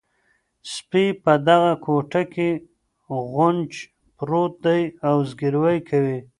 سپي په دغه کوټه کې غونج پروت دی او زګیروی کوي.